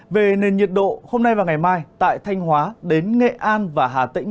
về nền nhiệt độ hôm nay và ngày mai tại thanh hóa đến nghệ an và hà tĩnh